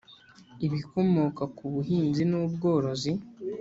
Ibikomoka ku buhinzi n ubworozi